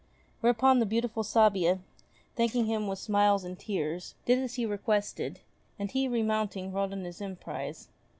WTiereupon the beautiful Sabia, thanking him with smiles and tears, did as he requested, and he, re mounting, rode on his emprise.